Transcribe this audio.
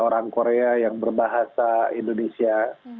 orang korea yang berbahasa indonesia